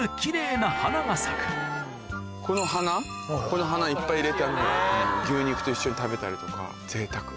この花いっぱい入れて牛肉と一緒に食べたりとかぜいたく。